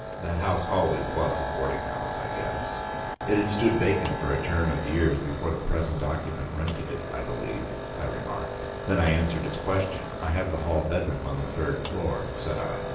'That house always was a boarding house, I guess.' "'It had stood vacant for a term of years before the present occupant rented it, I believe,' I remarked. Then I answered his question. 'I have the hall bedroom on the third floor,' said I.